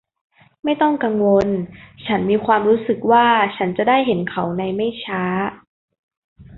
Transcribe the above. ไม่ต้องกังวลฉันมีความรู้สึกว่าฉันจะได้เห็นเขาในไม่ช้า